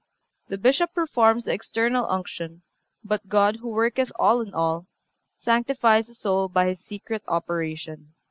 The Bishop performs the external unction, but God, "who worketh all in all," sanctifies the soul by His secret operation.